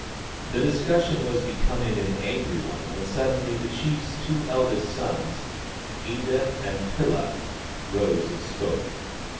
The discussion was becoming an angry one when suddenly the chief's tw^o eldest sons, Inda and Pilla, rose and spoke.